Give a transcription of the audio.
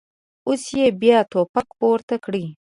اوس یې بیا ټوپک پورته کړی.